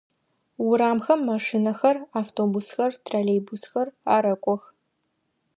Урамхэм машинэхэр, автобусхэр, троллейбусхэр арэкӏох.